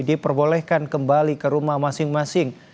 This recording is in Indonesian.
diperbolehkan kembali ke rumah masing masing